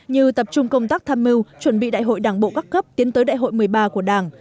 như tập trung công tác tham mưu chuẩn bị đại hội đảng bộ các cấp tiến tới đại hội một mươi ba của đảng